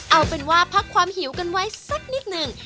เอาเป็นว่าพักความหิวกันไว้สักนิดหนึ่ง